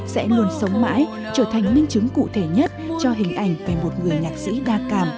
sẽ luôn sống mãi trở thành minh chứng cụ thể nhất cho hình ảnh về một người nhạc sĩ đa cảm